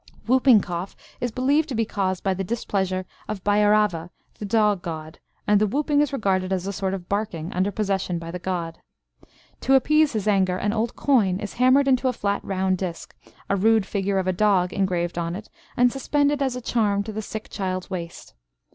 Whooping cough is believed to be caused by the displeasure of Bhairava, the dog god, and the whooping is regarded as a sort of barking, under possession by the god. To appease his anger, an old coin is hammered into a flat round disc, a rude figure of a dog engraved on it, and suspended as a charm to the sick child's waist.